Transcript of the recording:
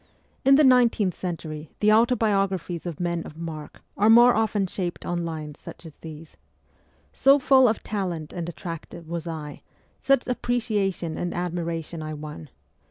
In the nineteenth century the autobiographies of men of mark are more often shaped on lines such as these :' So full of talent and attractive was I ; such appreciation and admiration I won